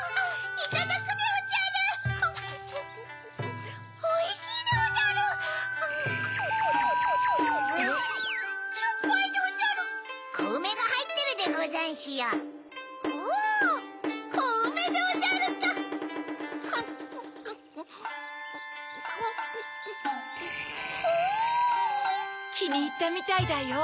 きにいったみたいだよ。